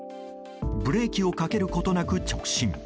ブレーキをかけることなく直進。